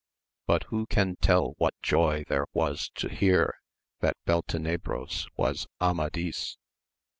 But who can tell what joy there was to hear that Beltenebros was Amadis